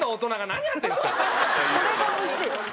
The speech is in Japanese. これが美味しい。